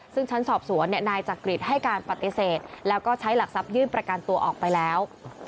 ซึ่งชั้นสอบสวนนายจักริตให้การปฏิเสธแล้วก็ใช้หลักทรัพยื่นประกันตัวออกไปแล้ว